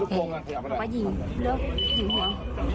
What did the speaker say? หึงหวง